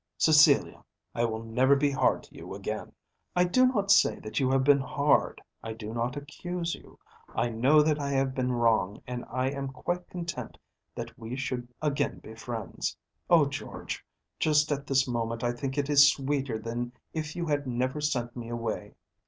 "Cecilia, I will never be hard to you again." "I do not say that you have been hard. I do not accuse you. I know that I have been wrong, and I am quite content that we should again be friends. Oh, George, just at this moment I think it is sweeter than if you had never sent me away."